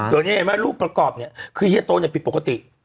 เดี๋ยวนี้เห็นไหมรูปประกอบเนี่ยคือเฮียโตเนี่ยผิดปกติ